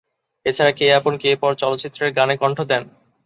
এছাড়া "কে আপন কে পর" চলচ্চিত্রের গানে কণ্ঠ দেন।